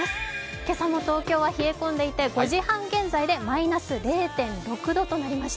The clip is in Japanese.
今朝も東京は冷え込んでいて５時半現在でマイナス０．６度となりました。